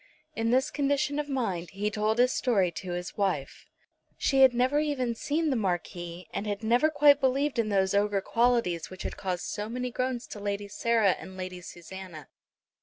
In this condition of mind he told his story to his wife. She had never even seen the Marquis, and had never quite believed in those ogre qualities which had caused so many groans to Lady Sarah and Lady Susanna.